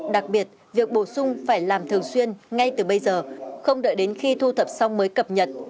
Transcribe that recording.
đặc biệt việc bổ sung phải làm thường xuyên ngay từ bây giờ không đợi đến khi thu thập xong mới cập nhật